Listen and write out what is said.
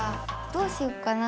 どうしよっかな。